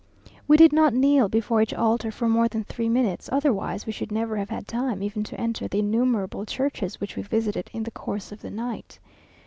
We did not kneel before each altar for more than three minutes, otherwise we should never have had time even to enter the innumerable churches which we visited in the course of the night.